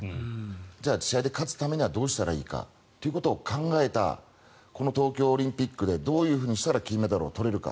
じゃあ、試合で勝つためにはどうしたらいいかということを考えたこの東京オリンピックでどういうふうにしたら金メダルを取れるか。